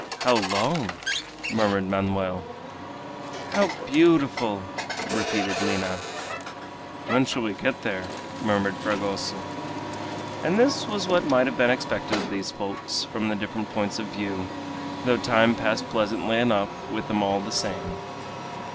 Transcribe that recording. "How long!" murmured Manoel. "How beautiful!" repeated Lina. "When shall we get there?" murmured Fragoso. And this was what might have been expected of these folks from the different points of view, though time passed pleasantly enough with them all the same.